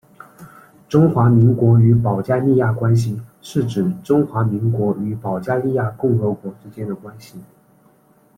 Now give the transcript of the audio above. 中华民国与保加利亚关系是指中华民国与保加利亚共和国之间的关系。